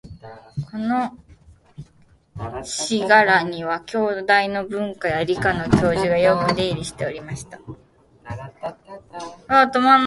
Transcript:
この「信楽」には、京大の文科や理科の教授がよく出入りしておりました